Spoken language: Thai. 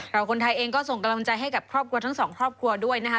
คนไทยเองก็ส่งกำลังใจให้กับครอบครัวทั้งสองครอบครัวด้วยนะคะ